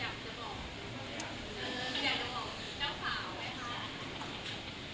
อยากจะบอกเจ้าสาวไว้ค่ะ